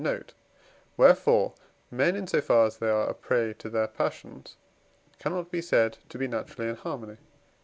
note); wherefore men, in so far as they are a prey to their passions, cannot be said to be naturally in harmony.